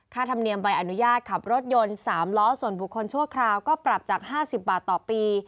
ธรรมเนียมใบอนุญาตขับรถยนต์๓ล้อส่วนบุคคลชั่วคราวก็ปรับจาก๕๐บาทต่อปี